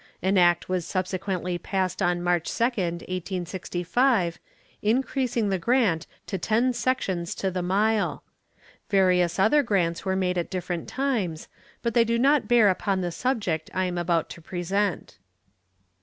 An act was subsequently passed on March 2, 1865, increasing the grant to ten sections to the mile. Various other grants were made at different times, but they do not bear upon the subject I am about to present.